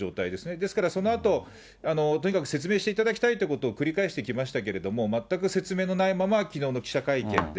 ですからそのあと、とにかく説明していただきたいということを繰り返してきましたけれども、全く説明のないまま、きのうの記者会見で。